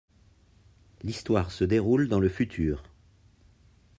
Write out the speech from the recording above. L'histoire se déroule dans le futur.